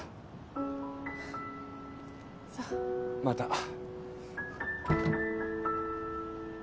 また。